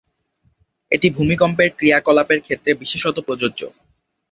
এটি ভূমিকম্পের ক্রিয়াকলাপের ক্ষেত্রে বিশেষত প্রযোজ্য।